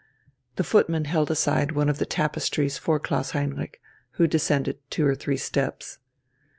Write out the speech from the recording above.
The footman held aside one of the tapestries for Klaus Heinrich, who descended two or three steps.